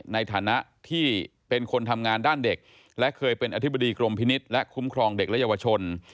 ในฐานะที่เป็นคนทำงานด้านเด็กและเคยเป็นอธิบดีกรมพินิษฐ์และคุ้มครองเด็กและเยาวชน